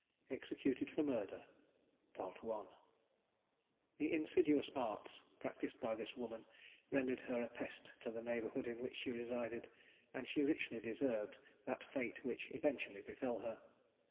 _ EXECUTED FOR MURDER. The insidious arts practised by this woman rendered her a pest to the neighbourhood in which she resided, and she richly deserved that fate which eventually befel her.